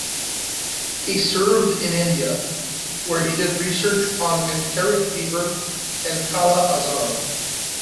He served in India, where he did research on enteric fever and kala-azar.